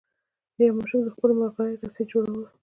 یوه ماشوم د خپلې ملغلرې رسۍ جوړوله.